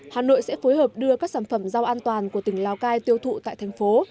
hà nội sẽ phối hợp đưa các sản phẩm rau an toàn của tỉnh lào cai tiêu thụ tại thành phố